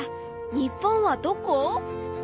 日本はどこ？